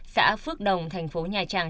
xã phước đồng thành phố nhà trang